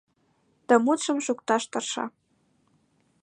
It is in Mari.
Да мутшым шукташ тырша.